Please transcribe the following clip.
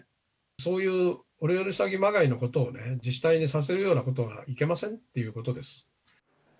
そういうオレオレ詐欺まがいのことをね、自治体にさせるようなことはいけませんっていうことです。